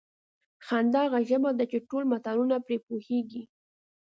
خندا هغه ژبه ده چې ټول ملتونه پرې پوهېږي.